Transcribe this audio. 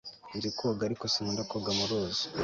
nzi koga, ariko sinkunda koga muruzi